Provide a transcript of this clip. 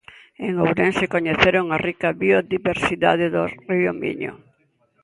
En Ourense coñeceron a rica biodiversidade do río Miño.